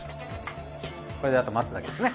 これであと待つだけですね。